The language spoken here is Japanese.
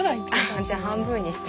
じゃあ半分にして。